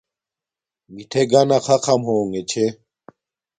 مِٹھݺ گَنَݳ خَخَم ہݸݣݺ چھݺ.